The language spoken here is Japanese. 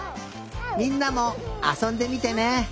みんなもあそんでみてね！